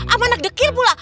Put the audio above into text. amanak dekir pula